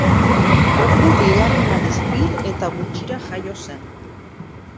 Goku bigarren aldiz hil eta gutxira jaio zen.